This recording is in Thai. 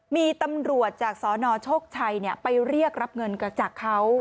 มีตำรวจจากสนโชคชัยไปเรียกรับเงินจากเขา